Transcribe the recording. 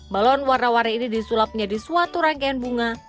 balon warna warni ini disulap menjadi suatu rangkaian bunga